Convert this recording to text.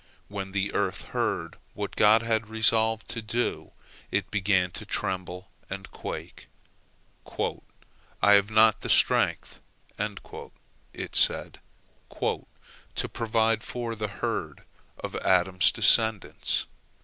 When the earth heard what God had resolved to do, it began to tremble and quake. "I have not the strength," it said, "to provide food for the herd of Adam's descendants."